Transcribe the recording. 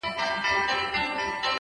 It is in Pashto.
علم د انسان فکر ژوروي؛